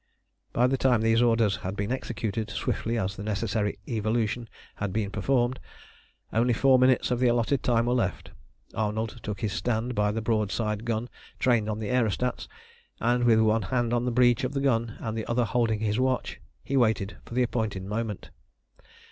By the time these orders had been executed, swiftly as the necessary evolution had been performed, only four minutes of the allotted time were left. Arnold took his stand by the broadside gun trained on the aerostats, and, with one hand on the breech of the gun and the other holding his watch, he waited for the appointed moment.